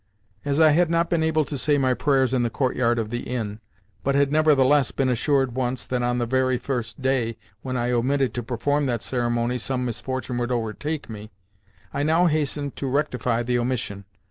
As I had not been able to say my prayers in the courtyard of the inn, but had nevertheless been assured once that on the very first day when I omitted to perform that ceremony some misfortune would overtake me, I now hastened to rectify the omission.